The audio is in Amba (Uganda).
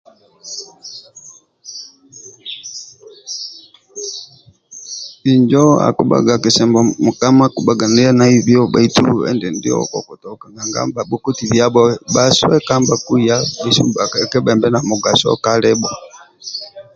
Injo akibhaga kisomo mukama akibhaga ndie naibio baitu endindio nanga bhabhoti biabho bhasoboka nibhakiya bhesu nibhakembe namugaso kalibho